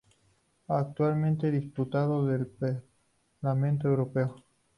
Actualmente es Diputado del Parlamento Europeo.